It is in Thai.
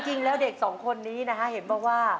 จริงแล้วเด็ก๒คนนี้นะฮะเห็นป่าวว่า